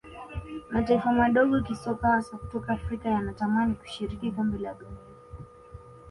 mataifa madogo kisoka hasa kutoka afrika yanatamani kushiriki kombe la dunia